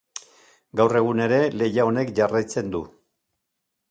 Gaur egun ere lehia honek jarraitzen du.